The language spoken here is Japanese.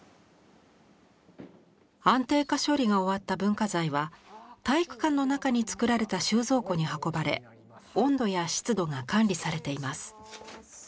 安定化処理が終わった文化財は体育館の中に造られた収蔵庫に運ばれ温度や湿度が管理されています。